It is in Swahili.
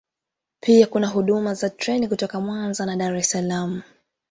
Pia kuna huduma za treni kutoka Mwanza na Dar es Salaam